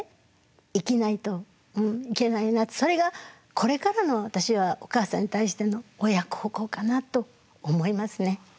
それがこれからの私はお母さんに対しての親孝行かなと思いますね。